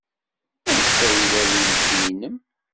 Anect ay yella weydi-nnem?